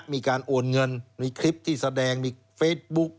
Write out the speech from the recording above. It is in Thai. มีการโอนเงินมีคลิปที่แสดงมีเฟซบุ๊ก